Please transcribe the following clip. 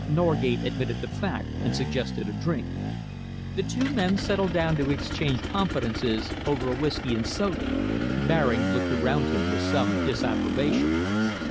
Norgate admitted the fact and suggested a drink. The two men settled down to exchange confidences over a whisky and soda. Baring looked around him with some disapprobation.